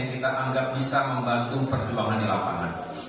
kita anggap bisa membantu perjuangan di lapangan